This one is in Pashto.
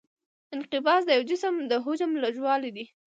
انقباض د یو جسم د حجم لږوالی دی.